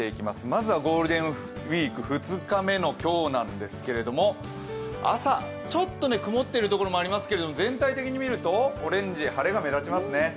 まずはゴールデンウイーク２日目の今日なんですけれども、朝、ちょっと曇ってるところもありますけど全体的に見るとオレンジ、晴れが目立ちますね。